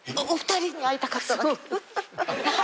お二人に会いたかっただけ。